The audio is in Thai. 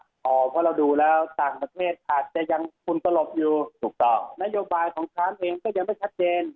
เพราะเราดูแล้วต่างประเทศอาจจะยังคุณตลกอยู่ถูกต้องนโยบายของทรัมป์เองก็ยังไม่ชัดเจน